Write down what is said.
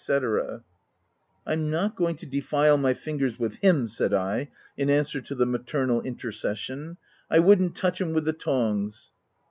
u I'm not going to defile my fingers with him/' said I, in answer to the maternal inter cession. u I wouldn^t touch him with the tongs."